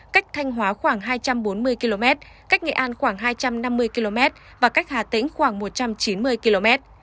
cách thanh hóa khoảng hai trăm bốn mươi km cách nghệ an khoảng hai trăm năm mươi km và cách hà tĩnh khoảng một trăm chín mươi km